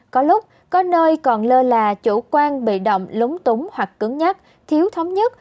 có lúc có nơi còn lơ là chủ quan bị động lúng túng hoặc cứng nhắc thiếu thống nhất